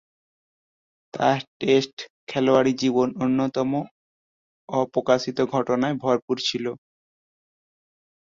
তার টেস্ট খেলোয়াড়ী জীবন অন্যতম অপ্রত্যাশিত ঘটনায় ভরপুর ছিল।